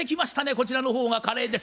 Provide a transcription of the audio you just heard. こちらの方がカレーです。